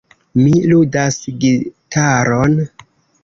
Mi ludas gitaron.